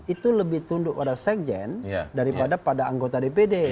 itu lebih tunduk pada sekjen daripada pada anggota dpd